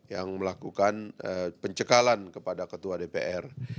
yang melakukan pencekalan kepada ketua dpr